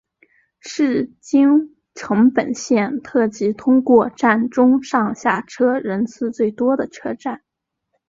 是京成本线特急通过站中上下车人次最多的车站。